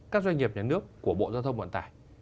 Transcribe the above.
các doanh nghiệp nhà nước của bộ giao thông vận tải